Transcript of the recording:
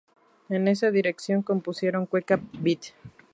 En esa dirección compusieron "Cueca beat".